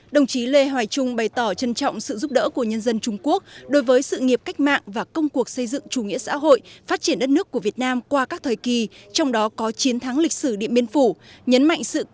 đồng chí lê hoài trung bày tỏ trân trọng sự giúp đỡ của nhân dân trung quốc đối với sự nghiệp cách mạng và công cuộc xây dựng chủ nghĩa xã hội phát triển đất nước của việt nam qua các thời kỳ trong đó có chiến thắng lịch sử điện biên phủ